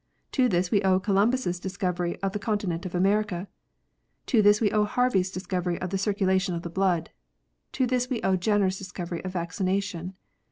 To this we owe Columbus discovery of the continent of America. To this we owe Harvey s discovery of the circulation of the blood. To this we owe Jcnncr s discovery of vaccination.